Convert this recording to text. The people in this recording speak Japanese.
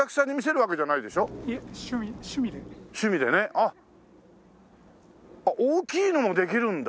あっ大きいのもできるんだ。